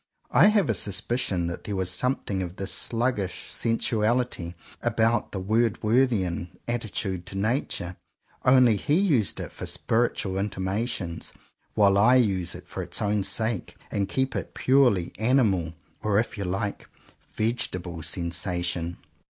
I have a suspicion that there was something of this sluggish sensuality about the Word worthian attitude to Nature; only he used it for spiritual intimations, while I use it for its own sake and keep it a purely animal, or if you like, vegetable sensation.